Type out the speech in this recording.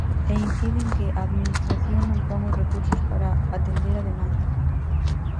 E incide en que "a Administración non pon os recursos para atender a demanda".